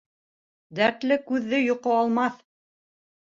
Дәртле күҙҙе йоҡо алмаҫ.